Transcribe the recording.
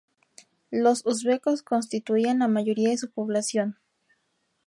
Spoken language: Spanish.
Los uzbekos constituían la mayoría de la población.